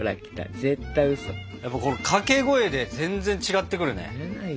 このかけ声で全然違ってくるね。